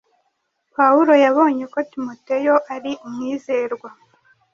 Pawulo yabonye ko Timoteyo ari umwizerwa,